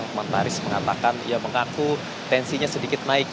hukuman taris mengatakan ya mengaku tensinya sedikit naik